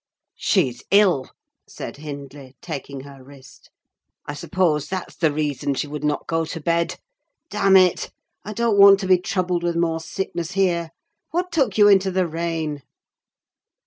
"She's ill," said Hindley, taking her wrist; "I suppose that's the reason she would not go to bed. Damn it! I don't want to be troubled with more sickness here. What took you into the rain?"